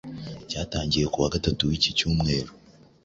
byatangiye ku wa Gatatu w’iki cyumweru